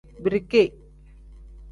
Birike.